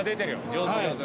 上手上手。